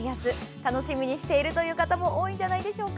楽しみにしているという方も多いんじゃないでしょうか。